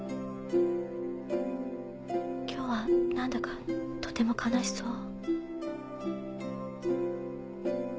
今日は何だかとても悲しそう。